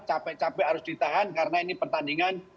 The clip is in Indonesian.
capek capek harus ditahan karena ini pertandingan